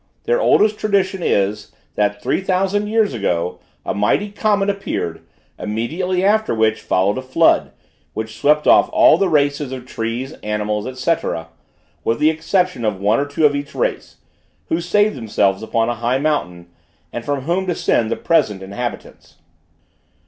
Their oldest tradition is, that three thousand years ago, a mighty comet appeared, immediately after which followed a flood, which swept off all the races of trees, animals, &c., with the exception of one or two of each race, who saved themselves upon a high mountain, and from whom descended the present inhabitants.